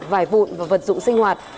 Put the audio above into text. vải vụn và vật dụng sinh hoạt